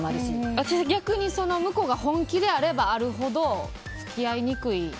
私、逆に向こうが本気であればあるほど付き合いにくい。